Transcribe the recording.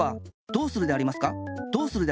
どうするでありますか？